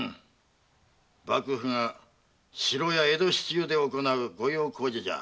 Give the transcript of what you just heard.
幕府が城や江戸市中で行う御用工事じゃ。